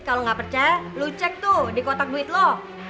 kalau nggak percaya lu cek tuh di kotak duit lo